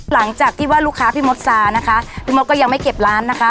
หลังจากที่ว่าลูกค้าพี่มดซานะคะพี่มดก็ยังไม่เก็บร้านนะคะ